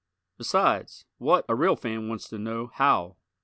Besides, "what," a real fan wants to know "how."